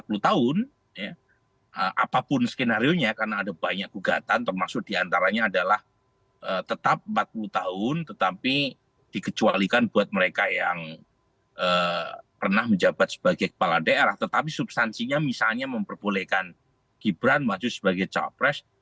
dua puluh tahun apapun skenario nya karena ada banyak gugatan termasuk diantaranya adalah tetap empat puluh tahun tetapi dikecualikan buat mereka yang pernah menjabat sebagai kepala daerah tetapi substansinya misalnya memperbolehkan gibran maju sebagai capres